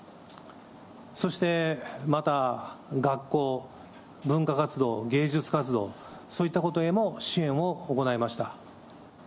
そしてまた学校、文化活動、芸術活動、そういったことへも支援を行いました。